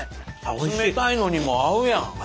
冷たいのにも合うやん。